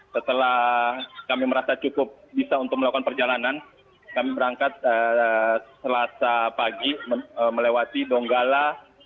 setelah kami merasa cukup bisa untuk melakukan perjalanan kami berangkat selasa pagi melewati donggala